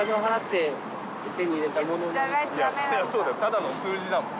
ただの数字だもん。